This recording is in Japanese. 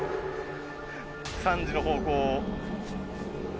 ３時の方向。